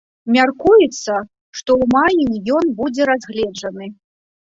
Мяркуецца, што ў маі ён будзе разгледжаны.